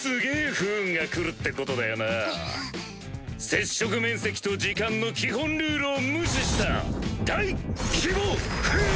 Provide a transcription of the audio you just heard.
接触面積と時間の基本ルールを無視した大規模不運！